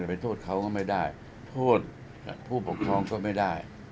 ไปโทษเขาก็ไม่ได้โทษผู้ปกครองก็ไม่ได้